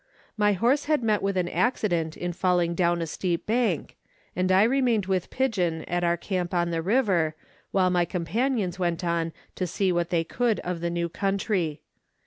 My horse had met with an accident in falling down a steep bank, and I remained with Pigeon at our camp on the river while my companions went on to see what they could of the new country.